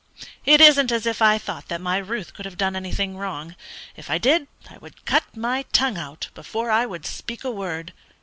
It isn't as if I thought that my Ruth could have done anything wrong. If I did, I would cut my tongue out before I would speak a word.